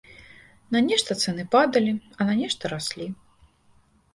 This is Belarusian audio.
На нешта цэны падалі, а на нешта раслі.